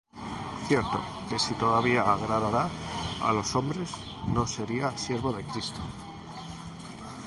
Cierto, que si todavía agradara á los hombres, no sería siervo de Cristo.